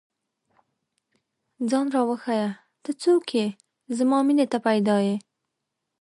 ځان راوښیه، ته څوک ئې؟ زما مینې ته پيدا ې